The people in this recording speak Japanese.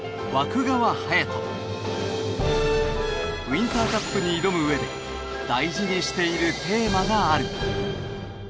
ウインターカップに挑む上で大事にしているテーマがある。